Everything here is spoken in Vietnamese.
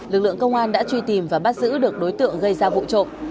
lực lượng công an đã truy tìm và bắt giữ được đối tượng gây ra vụ trộm